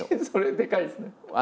それでかいですね。